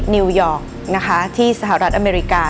นิวยอร์กนะคะที่สหรัฐอเมริกา